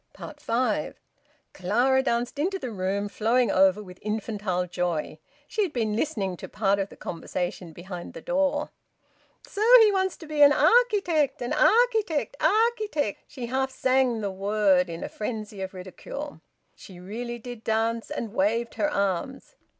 FIVE. Clara danced into the room, flowing over with infantile joy. She had been listening to part of the conversation behind the door. "So he wants to be an architect! Arch i tect! Arch i tect!" She half sang the word in a frenzy of ridicule. She really did dance, and waved her arms.